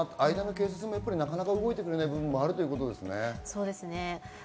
警察も動いてくれない部分があるということですね。